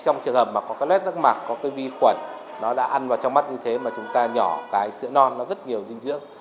trong trường hợp mà có cái lết rác mạc có cái vi khuẩn nó đã ăn vào trong mắt như thế mà chúng ta nhỏ cái sữa non nó rất nhiều dinh dưỡng